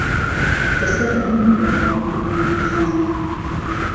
دهسهر ئهمن بووه مهعموری خانم